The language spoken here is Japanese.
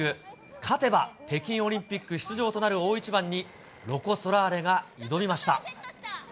勝てば北京オリンピック出場となる大一番に、ロコ・ソラーレが挑みました。